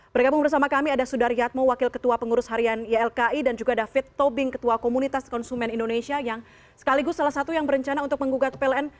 bergabung bersama kami ada sudaryatmo wakil ketua pengurus harian ylki dan juga david tobing ketua komunitas konsumen indonesia yang sekaligus salah satu yang berencana untuk menggugat pln